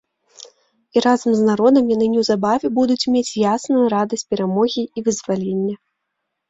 І разам з народам яны неўзабаве будуць мець ясную радасць перамогі і вызвалення.